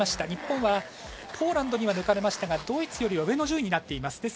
日本はポーランドには抜かれましたがドイツよりは上の順位になっています。